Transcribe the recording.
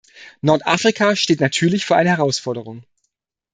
Nordafrika steht natürlich vor einer Herausforderung.